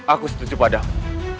aku setuju padamu